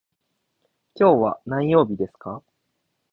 今日は何曜日ですか。